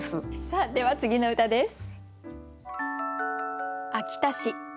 さあでは次の歌です。